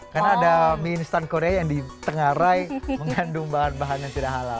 karena ada mie instan korea yang di tengah rai mengandung bahan bahan yang tidak halal